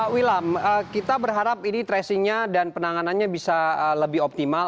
wilam kita berharap ini tracingnya dan penanganannya bisa lebih optimal